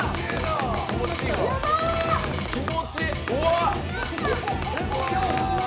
気持ちいい！